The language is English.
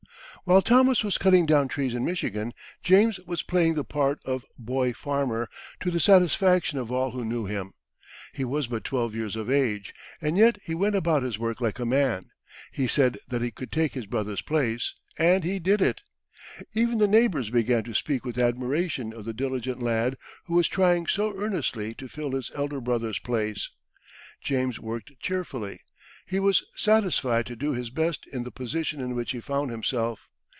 While Thomas was cutting down trees in Michigan, James was playing the part of "boy farmer" to the satisfaction of all who knew him. He was but twelve years of age, and yet he went about his work like a man. He said that he could take his brother's place, and he did it. Even the neighbours began to speak with admiration of the diligent lad who was trying so earnestly to fill his elder brother's place. James worked cheerfully; he was satisfied to do his best in the position in which he found himself.